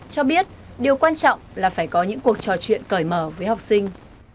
cho biết điều quan trọng là phải có những cuộc trò chuyện cởi mở với học sinh